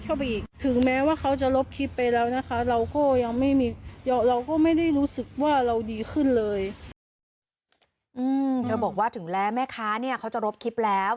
เธอบอกว่าถึงแม้แม่ค้าเนี่ยเขาจะรบคลิปแล้ว